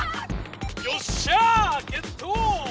よっしゃあゲット！